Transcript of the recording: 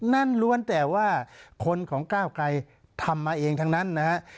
ล้วนแต่ว่าคนของก้าวไกลทำมาเองทั้งนั้นนะฮะ